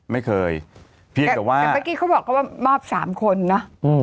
แต่เมื่อกี้เขาบอกว่ามอบ๓คนน่ะ